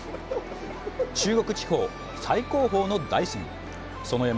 中国地方最高峰の大山。